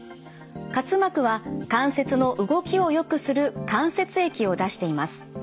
滑膜は関節の動きをよくする関節液を出しています。